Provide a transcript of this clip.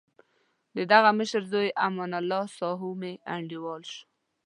دهغه مشر زوی امان الله ساهو مې انډیوال شو.